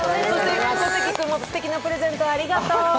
小関君もすてきなプレゼントありがとう。